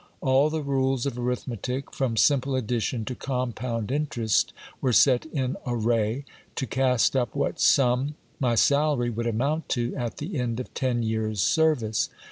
All the rules of arithmetic from simple addition to compound in terest were set in array, to cast up what sum my salary would amount to at the end of ten years' service.